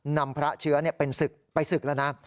นำพระเชื้อเป็นศึกไปศึกแล้วนะ